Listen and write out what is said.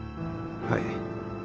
はい。